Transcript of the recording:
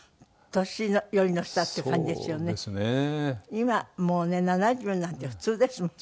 今もうね７０なんて普通ですもんね。